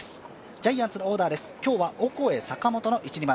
ジャイアンツのオーダーです。